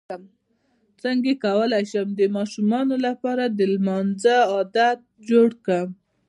څنګه کولی شم د ماشومانو لپاره د لمانځه عادت جوړ کړم